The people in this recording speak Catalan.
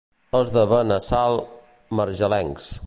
Els de Benassal, marjalencs.